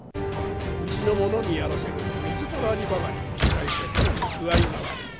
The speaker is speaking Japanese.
うちの者にやらせると水たまりばかりこしらえてどうも具合が悪い。